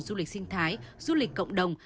du lịch sinh thái du lịch cộng đồng